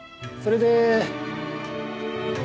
それで。